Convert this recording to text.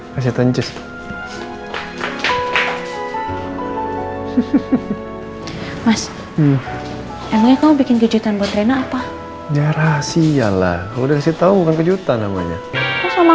mas emangnya kamu bikin kejutan buat rena apa ya rahasia lah udah kasih tahu kejutan namanya sama